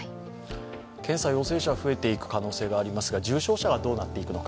検査陽性者は増えていく可能性はありますが、重症者はどうなっていくのか。